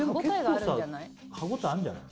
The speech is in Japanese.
歯応えがあるんじゃない？